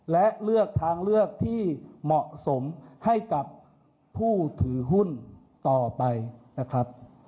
และเลือกทางเลือกที่เหมาะสมให้กับผู้ถือหุ้นต่อไปนะครับ